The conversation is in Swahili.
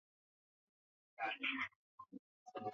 ambazo kati yake tano na nusu zimefunikwa na